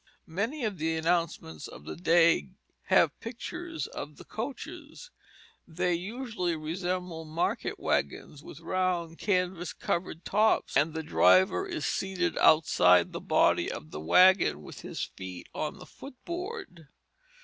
Many of the announcements of the day have pictures of the coaches. They usually resemble market wagons with round, canvas covered tops, and the driver is seated outside the body of the wagon with his feet on the foot board.